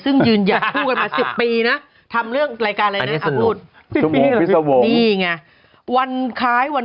เอาลูกนี้มานะ